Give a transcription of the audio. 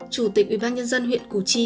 chủ tịch ubnd huyện củ chi